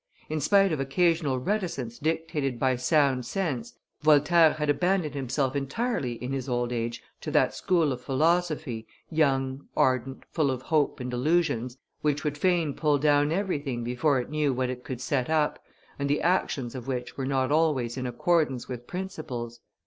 In spite of occasional reticence dictated by sound sense, Voltaire had abandoned himself entirely in his old age to that school of philosophy, young, ardent, full of hope and illusions, which would fain pull down everything before it knew what it could set up, and the actions of which were not always in accordance with principles.